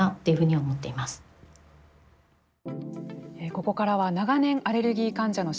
ここからは長年アレルギー患者の診察や